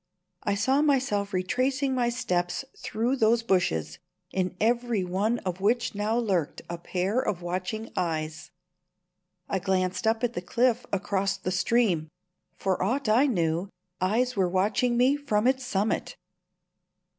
I saw myself retracing my steps through those bushes, in every one of which now lurked a pair of watching eyes. I glanced up at the cliff across the stream. For aught I knew, eyes were watching me from its summit.